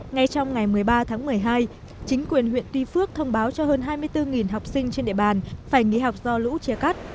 ngay trong ngày một mươi ba tháng một mươi hai chính quyền huyện tuy phước thông báo cho hơn hai mươi bốn học sinh trên địa bàn phải nghỉ học do lũ chia cắt